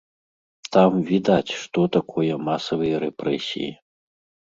Там відаць, што такое масавыя рэпрэсіі.